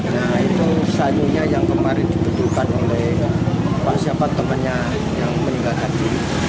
nah itu sayunya yang kemarin ditunjukkan oleh siapa temannya yang meninggal tadi